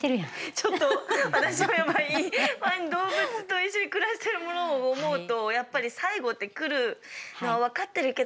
ちょっと私もやっぱり動物と一緒に暮らしてるものを思うとやっぱり最期って来るのは分かってるけど